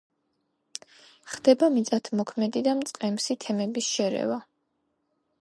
ხდება მიწათმოქმედი და მწყემსი თემების შერევა.